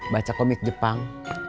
baca komik jepang